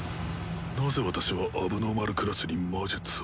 なぜ私は問題児クラスに魔術を？